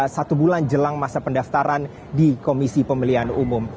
satu bulan jelang masa pendaftaran di komisi pemilihan umum